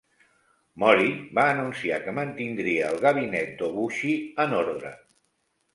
Mori va anunciar que mantindria el gabinet d'Obuchi en ordre.